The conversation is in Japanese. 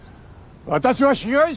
私は被害者だ。